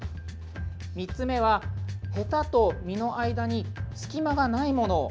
３つ目は、へたと実の間に隙間がないもの。